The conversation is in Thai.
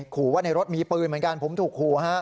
ขู่ว่าในรถมีปืนเหมือนกันผมถูกขู่